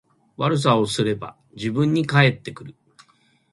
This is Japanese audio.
悪さをすれば自分に返ってくる